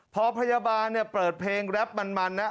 พอพยาบาลเนี่ยเปิดเพลงแรปมันนะ